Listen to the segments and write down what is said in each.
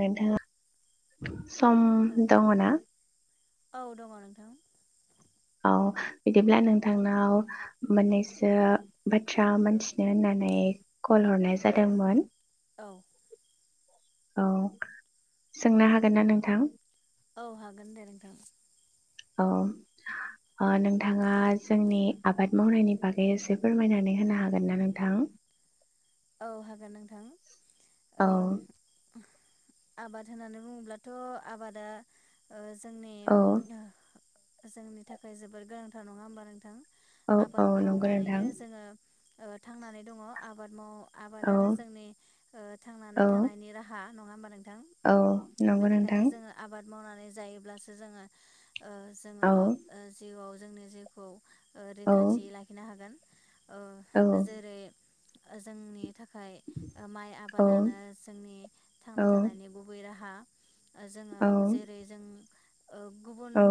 नोंथाङा सम औ दङना औ दङ नोंथां औ बिदिब्ला नोंथांनाव मोननैसो बाथ्रा मोनथिनो होननानै कल हरनाय जादोंमोन औ औ सोंनो हागोन ना नोंथां औ हागोन दे नोंथां औ ओ नोंथाङा जोंनि आबाद मावनायनि बागै एसे फोरमायनानै होनो हागोन ना नोंथां औ हागोन नोंथां औ आबाद होननानै बुङोब्लाथ आबादा ओ जोंनि औ ओ जोंनि थाखाय जबोर गोनांथार नङा होमबा नोंथां औ औ आबाद नंगौ नोंथां मावनानैनो जोङो ओ थांनानै दङ आबाद माव औ आबादानो जोंनि ओ औ थांनानै थानायनि राहा नङा होनबा नों औ नंगौ नोंथां आबाद मावनानै जायोब्लासो जोङो ओ औ जोङो ओ जिउआव जोंनि जिउखौ औ रैखाथि लाखिनो हागोन औ ओ जेरै जोंनि थाखाय ओ माइ औ आबादानो जोंनि थांना थानायनि गुबै राहा। जोङो औ जेरै जों ओ गुबुन औ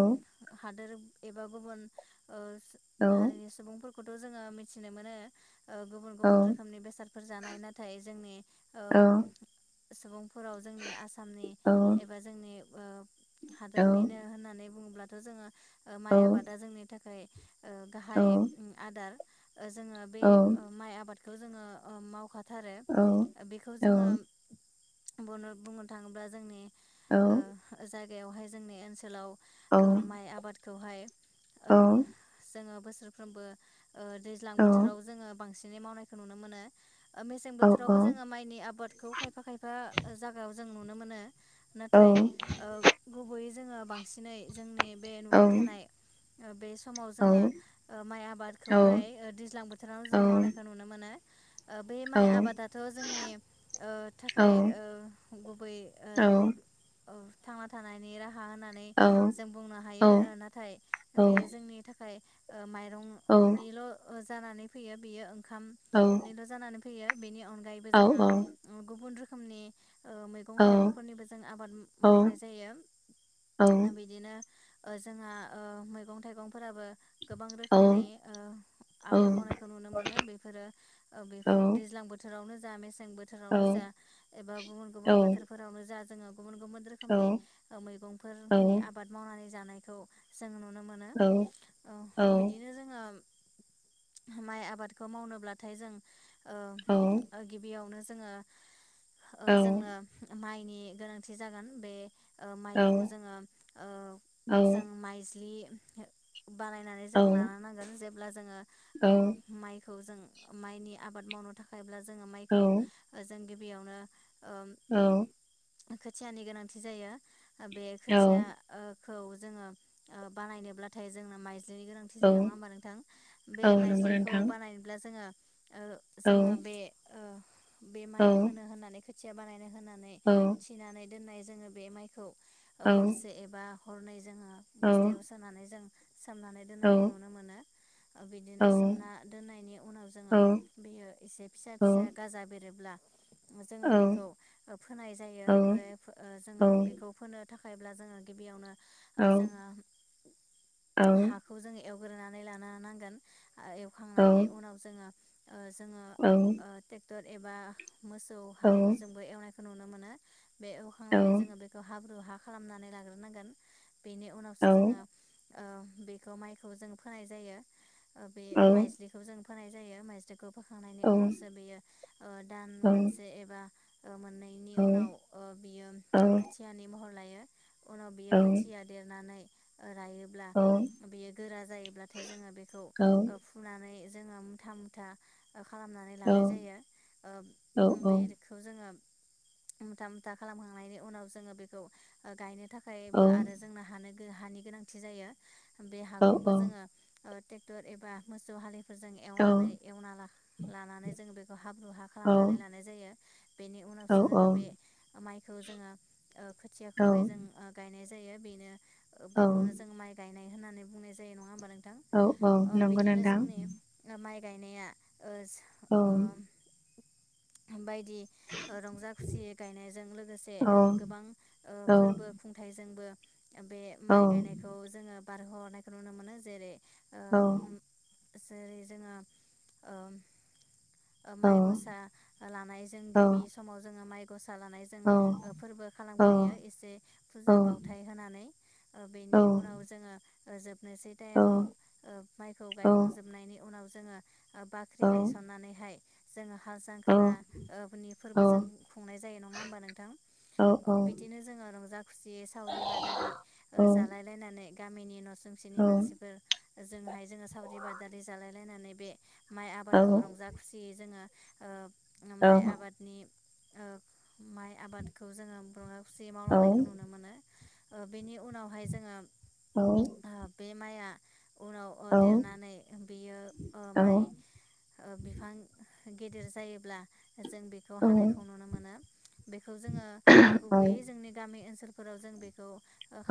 हादोर एबा गुबुन ओ हारिनि सुबुंफोर खौथ' जोङो मिथिनो मोनो। ओ गुबुन औ गुबुन रो नि बेसादफोर जानाय नाथाय जोंनि ओ औ सुबुं फोराव जोंनि आसामनि औ एबा जोंनि ओ हादोरनिनो होननानै बुङोब्ला थ' जोङो ओ माइ आबादा जोंनि थाखाय ओ गाहाय उम आदार। ओ जोङो बे ओ माइ आबाद जोङो ओ मावखा थारो ओ बेखौ जोङो बनो बुंनो थाङोब्ला जोंनि ओ जाय गायावहाय जोंनि ओनसोलाव ओ माइ आबादखौहाय ओ जोङो बोसोरफ्रोमबो ओ दैज्लां बोथोराव जोङो बांसिन बिनि मावनाय नुनो मोनो। ओ मेसें बोथोरावबो जोङो माइनि आबाद खौ खायफा खायफा जागायाव जों नुनो मोनो। नाथाय ओ गुबै जोङो बांसिनै जोंनि बे नुबाय थानाय ओ बे समाव जोङो ओ माइ आबादखौहाय ओ दैज्लां बोथोरावनो जों मावनायखो नुनो [unintelligible] ओ बे माइ आबादाथ' जोंनि ओ थाखाय ओ गुबै ओ औ थांना थानायनि राहा हा होननानै जों बुंनो हायो ओ नाथाय बियो जोंनि थाख [unintelligible] ओ माइ औ जानानै फैयो बेयो ओंखाम निल' जानानै फैयो बेनि अनगायैबो जोङो ओ गुबुन रो खोमनि ओ मैगं थाइगंफोरनिबो जों आबाद मावनाय जायो बिदिनो ओ जोंहा ओ मैगं थाइगंफोराबो गोबां रोखोमनि ओ आबाद मावनायखौ नुनो मोनो बेफोरो ओ बेफोर दैज्लां बोथोर आवनो जा मेस मेसें बोथोरावनो जा एबा गुबुन गुबुन बोथोरफोरावनो जा जोङो गुबुन गुबुन रोखोमनि ओ मैगंफोरनि आबाद मावनानै जानायखौ जोङो नु नुनो मोनो ओ बिदिनो जोङो माइ आबादखौ मावनोब्ला नाथाय जों गिबियावनो जोङो ओ जोंनो माइ नि गोनांथि जागोन बे ओ माइखौ जोङो ओ जों माइज्लि बानायनानै जों लानो नांगोन जेब ब्ला जोङो ओ माइ खौ जों माइनि आबाद मावनो थाखायब्ला ज जोङो माइखौ जों बेयावनो औ। खोथियानि गोनांथि जायो। बे खोथिया ओ खौ जोङो बानायनोब्लाथाय जोंनो माइ माइज्लिनि गोनांथि औ जायो नङा होमबा नोंथां? बे औ नंगौ माइज्लिखौ नोंथां बानायनोब्ला जोङो ओ औ जोङो बे ओ बे औ माइ फोनो होननानै खोथ खोथिया बानायनो होना नानै औ थिनानै दोननाय जोङो बे माइ खौ औ हरसे एबा हरनायज जोङो औ बस्थायाव सोनानै जों सोमनानै औ दोननायखौ नुनो मोनो औ बिदिनो सोमना दोननायनि उनाव औ बेयो एसे फिसा औ फिसा गाजा बे रोब्ला जोंङो बेखौ फोनाय जायो औ बे जोंङो बेखौ फोनो थाखायब्ला जोंङो गिबियावनो जोंङो हाखौ जोंङो ग्रोनानै लानो नांगोन एवखांनायनि उनाव [inaudible] ओ जोंङो ओ तेक टर एबा मोसौ हाललिफोरजोंबो एवनाय नुनो मोनो बे औ एवखांनानै जोंङो बेखौ हाब्रु हाब खालामनानै लाग्रोनांगोन बेनि औ उनावसो जोंङो ओ बेखौ माइखौ जों फोनाय जायो। बे माइज्लिखौ जों होनाय जायो [unintelligible] खौ फोखांनायनि उनावसो बेयो दान मोनसे एबा मोननायनि उनाव बियो खोथियानि महर लायो। उनाव बियो खोथिया देरनानै रायोब्ला बेयो गोरा जायोब्लाथाय जोंङो बेखौ फुनानै जोंङो मुथा मुथा खालामनानै लानाय जायो बेखौ जोंङो मुथा मुथा खालामखांनायनि उनाव जोंङो बेखौ गायनो थाखायबो आरो जोंनो हानो हानि गोनांथि जायो बे हाखौबो जोंङो ट्रेक्टर एबा मोसौ हाले फोरजों एवनानै एवना लानानै जों बेखौ हाब्रु हा खालामनानै लानाय जायो। बेनि उनावसो जोङो बे माइखौ जोङो खोथियाखौहाय जों गायनाय। [unintelligible] बेनो बेखौनो जों माइ गाय नाय होननानै बुंनाय जायो नङा होनबा नों औ औ नंगौ नोंथां। माइ गायनाया ओ औ [unintelligible] बिदि रंजा खुसि गायनायजों लोगोसे गोबां औ फोरबो खुंथायाइजोंबो बे माइ औ गायनायखौ जोङो बारह'हरनायखौ नुनो मोनो जेरै [unintelligible] जेरै जोङो माइ गसा लानाय जों गिबि समाव जोङो माइ [unintelligible] लानायजों फोरबो खालामग्रोयो एसे फुजा बावथाय होनानै बेनि उनाव जोङो जोब नोसै टाइमाव माइखौ गायखां नि उनाव जोङो बाख्रि गायसननानैहाय जोङो हाल जांख्रानि फोरबो जों खुंनाय जायो, नङा होमबा नोंथां? बिदिनो जोङो रंजा खुसि सावरि बादारि जालाय लायनानै गामिनि न' सुंसेनि मानसिफोर ओजोंहाय जोङो सावरि बादालि जालाय लायनानै बे माइ आबादखौ रंजा खुसियै जोङो ओ माइ आबादनि ओ माइ आबादखौ जोङो बा खुसियै मावलांनायखौ नुनो मोनो। औ बेनि उनावहाय जोङो बे माइआ। उनाव देरनानै बियो माइ बिफां गिदिर जायोब्ला जों बेखौ हानायखौ नुनो मोनो बेखौ जोङो गुबैयै जोंनि गामि ओनसोल फोराव जों बेखौ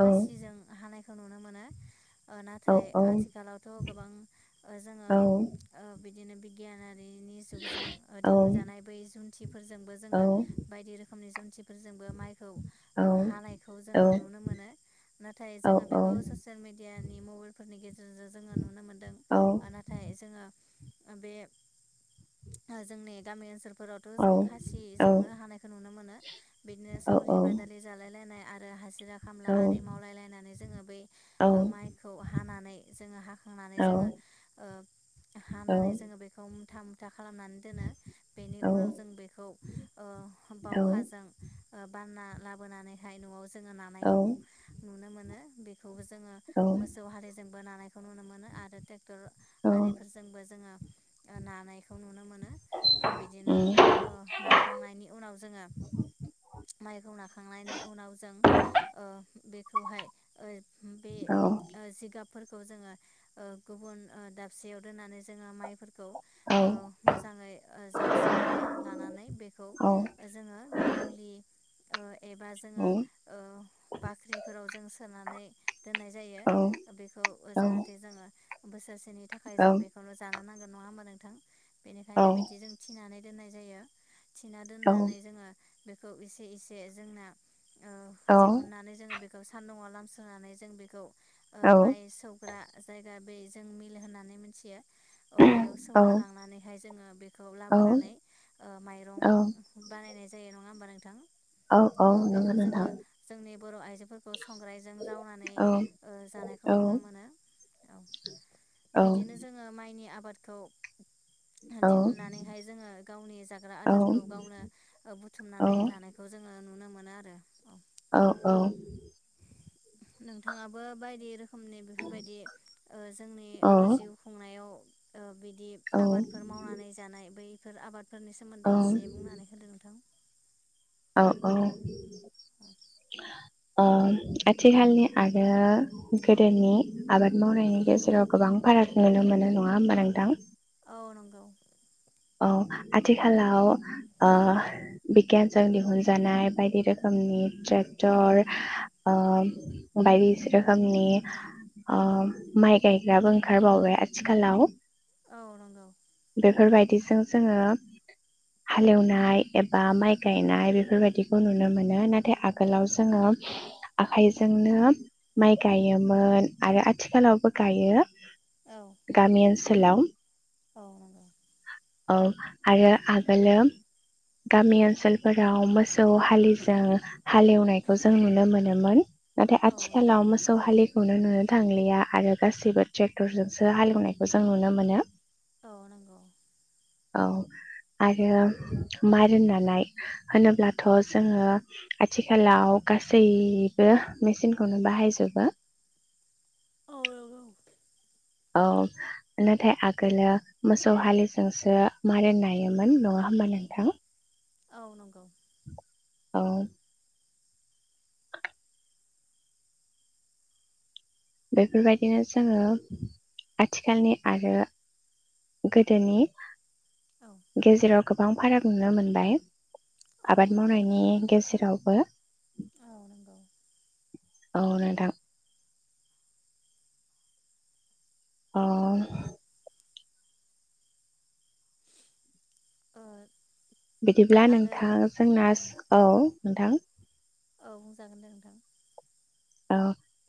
खासिजों हानाय खौ नुनो मोनो। नाथाय आथिखालाव थ' गोबां ओ जोङो ओ बिदिनो बिगियान आरो जुगजों दिहुनजानाय बै जुनथिफोरजोंबो जोङो जुनथिफोरजों फोरजोंबो माइखौ हानायखौ जोङो नुनो मोनो नाथाय जोङो बेखौ ससियेल मिडियानि मबाइलफोरनि गेजेरजों जोङो नुनो मोनदों नाथाय जोङो बे जोंनि गामि ओनसोल फोरावथ' जों खासिजोंनो हानायखौ नुनो मोनो बिदिनो सावरि बादालि जालाय लायनाय हाजिरा खामला आरि मावलायलायनानै जोङो बै माइखौ हानानै जोङो हाखांनानै जोङो ओ हानानै जोङो बेखौ मोनथाम खालामनानै दोनो बेनि उनाव जों बेखौ ओ बावखाजों ओ बाना लाबोनानैहाय न'आव जोङो नानायखौ नुनो मोनो। बे बो जोङो औ नंगौ मोसौ हारिजों बोनानै खौ नुनो मोनो आरो ट्रेक्टर आरिफोरजोंबो जोङो नानायखौ नुनो मोन मोनो बिदिनो नोंथां नाखांनायनि उनाव जोङो माइखौ नाखांनायनि उनाव जों ओ बेखौहाय बे ओ जिगाब फोरखौ जोङो ओ गुबुन ओ दाबसेयाव दोननानै जोङो माइ खौ औ ओ मोजाङै जावस्रांना लानानै बेखौ औ जोङो दुलि [inaudible] एबा औ जोङो ओ बाख्रिफोराव जों सोनानै दोननाय जायो। औ बेखौ ओ औ जाहाथे जोङो बोसोरसेनि थाखाय औ जों बेखौनो जानो नांग नङा होमबा नोंथां? बेनिखायनो बिदिजों थिनानै दोननाय जायो। थिना दोननानै जोङो बेखौ एसे इसे जोंना ओ दिहुननानै जोङो बे बेखौ सान्दुंआव लामस्रोनानै जों बेखौ ओ माइ सौग्रा जायगा बे जों मिल होननानै मिथियो। ओ बेयाव सौनो लांनानैहाय जोङो बेखौ लाबोनानै ओ माइरं बानायनाय जायो नङा होमबानों नोंथां। औ ओ बेखौ जोङो जोंनि बर' आइजोफोरखौ संग्रायजों जावनानै ओ जानायखौ औ नुनो मोनो बिदिनो जोंङो मायनि आ आबादखौ ओ दिहुननानैहाय जोङो गावनि जाग्रा आदारखौ गावनो ओ बुथुमनानै लानायखौ जोङो नुनो मोनो आरो औ औ औ। नोंथाङाबो बायदि रो खोमनि बेफोरबायदि ओ जोंनि ओ जिउ खुंनायाव ओ बि दि आबादफोर मावनानै जानाय बै सोर आबाद फोरनि सोमोन्दै एसे बुंनानै होदो नोंथां। औ औ। [inaudible] ओ आथिखालनि आरो गोदोनि आबाद औ मावनायनि गेजेराव गोबां फाराग नुनो मोनो नङा होमबा नोंथां? औ नोंगौ। औ आथिखालाव ओ बिगियानजों दिहुनजानाय बायदि रोखोमनि ट्रेक्टर ओ बायदि रोखोमनि ओ माइ गायग्राबो ओंखारबावबाय आथिखालाव। औ नोंगौ। बेफोरबायदि जों जोङो हालएवनाय एबा माइ गायनाय बेफोरबायदिखौ नुनो मोनो नाथाय आगोलाव जोङो आखाइजोंनो माइ गायोमोन आरो आथिखालावबो गायो। औ गामि ओनस सोलाव। औ नोंगौ। औ आरो आगोलो गामि ओनसोलफोराव मोसौ हालिजों हालएवनायखौ जों नुनो मोनोमोन। नाथाय औ आथिखालाव नंगौ मोसौ हालि नुनो नुनो थांलिया आरो गासिबो ट्रेक्टरजोंसो हालएवनायखौ जों नुनो मोनो। औ नोंगौ। औ आरो मारोन नानाय होनोब्लाथ' जोङो आथिखालाव गासैबो मेचिनखौनो बाहायजोबो। औ नंगौ औ नाथाय आगोलो मोसौ हालिजोंसो मारोन नायोमोन नङा होमबा नोंथां? औ नोंगौ। औ। बेफोरबायदिनो जोङो आथिखालनि आरो गोदोनि। औ गेजेराव। गोबां फाराग नुनो मोनबाय। औ आबाद नंगौ मावनायनि गेजेरावबो। औ नंगौ औ नोंथां। अ। औ ओ। बिदिब्ला आरो नोंथां जोंना औ नोंथां। औ बुंजागोन दे नोंथां। औ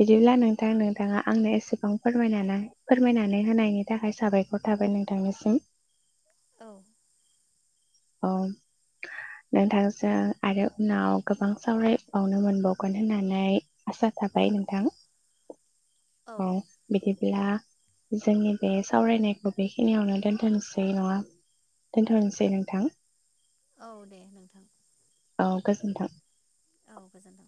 बिदिब्ला नोंथां नोंथाङा आंनो एसेबां फोरमायनाना फोरमायनानै होनायनि थाखाय साबायखर थाबाय नोंथांनिसिम। औ औ नोंथांजों आरो उनाव गोबां सावरायबावनो मोनबावगोन होननानै आसा औ थाबाय नोंथां औ बि ब्ला जोंनि बे सावरायनायखौ बेखिनियावनो दोनथ'नोसै नङा दोनथ'नोसै नोंथां औ दे नोंथां औ गोजोनथों औ गोजोन्थों